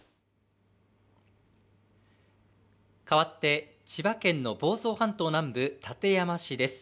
かわって千葉県の房総半島南部館山市です。